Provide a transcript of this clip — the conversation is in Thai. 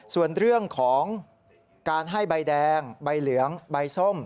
ส่วนเรื่องของการให้ใบแดงใบเหลืองใบส้ม